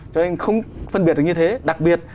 cho nên không phân biệt được như thế đặc biệt